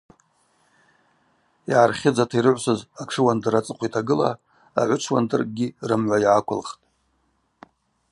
Йгӏархьыдзата йрыгӏвсыз атшыуандыр ацӏыхъва йтагыла, агӏвычвуандыркӏгьи рымгӏва йгӏаквылхтӏ.